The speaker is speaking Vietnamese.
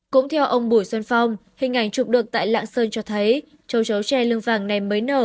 cũng theo ông bùi xuân phong hình ảnh chụp được tại lạng sơn cho thấy châu chấu tre lương vàng này mới nở